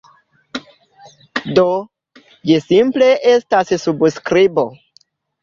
Do, ĝi simple estas subskribo.